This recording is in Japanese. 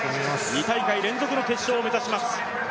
２大会連続の決勝を目指します。